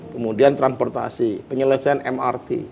kemudian transportasi penyelesaian mrt